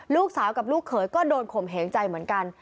ลูกสาวกับลูกเขยก็โดนข่มเหงใจเหมือนกัน